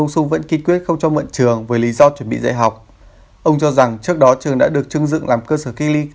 xin chào và hẹn gặp lại